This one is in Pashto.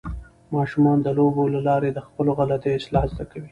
ماشومان د لوبو له لارې د خپلو غلطیو اصلاح زده کوي.